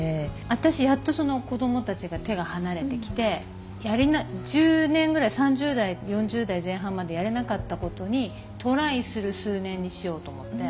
私やっと子どもたちが手が離れてきて１０年ぐらい３０代４０代前半までやれなかったことにトライする数年にしようと思って。